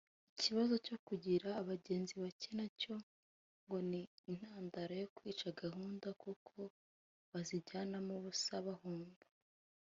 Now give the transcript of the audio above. Ikibazo cyo kugira abagenzi bake nacyo ngo ni intandaro yo kwica gahunda kuko bazijyanamo ubusa bahomba